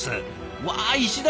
うわ石畳！